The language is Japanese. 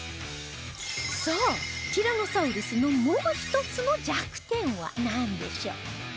さあティラノサウルスのもう一つの弱点はなんでしょう？